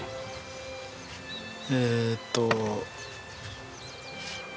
えーっと。